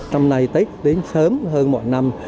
năm nay tết đến sớm hơn mọi năm